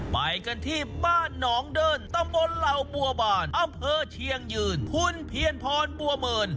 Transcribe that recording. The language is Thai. ไปกันที่บ้านหนองเดินตำบลเหล่าบัวบานอำเภอเชียงยืนคุณเพียรพรบัวเมิน